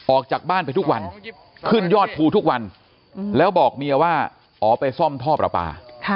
ออกจากบ้านไปทุกวันขึ้นยอดภูทุกวันแล้วบอกเมียว่าอ๋อไปซ่อมท่อประปา